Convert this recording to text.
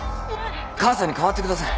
母さんに代わってください。